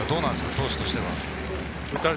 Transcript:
投手としては。